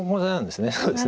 そうですね。